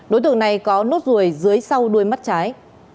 đối tượng này có nốt ruồi dưới sau đuôi mắt trái